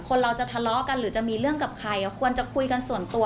คนเราจะทะเลาะกันหรือจะมีเรื่องกับใครควรจะคุยกันส่วนตัว